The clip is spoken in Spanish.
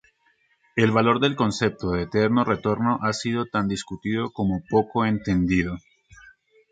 El valor del concepto de eterno retorno ha sido tan discutido como poco entendido.